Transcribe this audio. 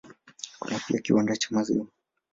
Kuna pia kiwanda cha maziwa.